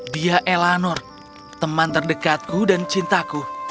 dia elanor teman terdekatku dan cintaku